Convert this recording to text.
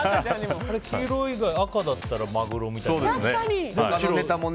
黄色以外赤だったらマグロみたいなね。